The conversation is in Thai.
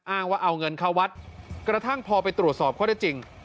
อ้างว่าเอาเงินเข้าวัดกระทั่งพอไปตรวจสอบข้อได้จริง